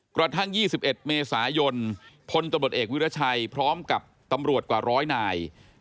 กระทั่ง๒๑เมษายนพลตำรวจเอกวิรัชัยพร้อมกับตำรวจกว่าร้อยนาย